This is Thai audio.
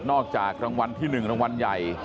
ออกจากรางวัลที่๑รางวัลใหญ่